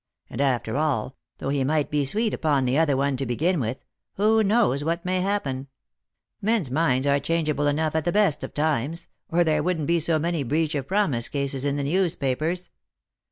And after all — though he might be sweet upon the other one to begin with — who knows what may happen ? Men's minds are changeable enough at the best of times, or there wouldn't be so many breach of promise cases in the news papers."